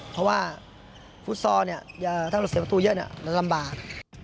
เพราะว่าฟุตซอลถ้าเราเสียประตูเยอะมันลำบาก